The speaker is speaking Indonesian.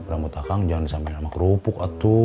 rambut akang jangan disampaikan sama kerupuk